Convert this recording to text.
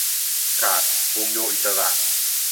ขาด วงโยอิสระ